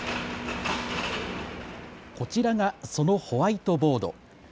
こちらがそのホワイトボード。